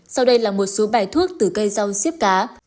sau đây là một số bài thuốc từ cây rau xiếp cá